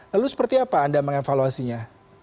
lalu seperti apa anda mengevaluasinya